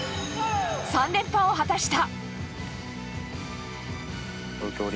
３連覇を果たした。